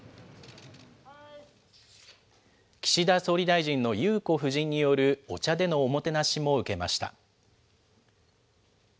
岸田総理大臣の裕子夫人によるお茶でのおもてなしも受けました。